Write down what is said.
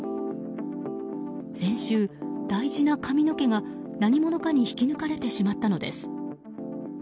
先週、大事な髪の毛が何者かに引き抜かれてしまったのです。